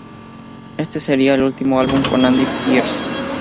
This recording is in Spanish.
Este sería el último álbum con Andy Pierce.